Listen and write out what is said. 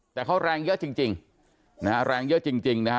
แต่เขาแรงเยอะจริงนะฮะแรงเยอะจริงนะฮะ